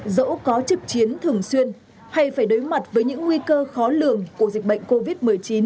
dẫu có trực chiến thường xuyên hay phải đối mặt với những nguy cơ khó lường của dịch bệnh covid một mươi chín